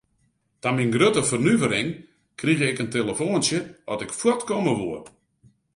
Ta myn grutte fernuvering krige ik in telefoantsje oft ik fuort komme woe.